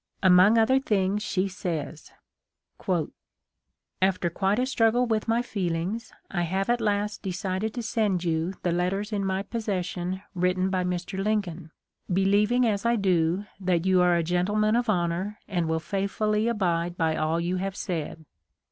Among other things she says: "After quite a struggle with my feelings I have at last decided to send you the letters in my possession written by Mr. Lincoln, believing as I do that you are a gen tleman of honor and will faithfully abide by all you have said.